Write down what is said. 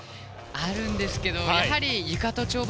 あるんですけど、やはりゆかと跳馬